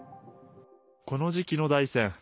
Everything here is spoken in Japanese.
この時期の大山。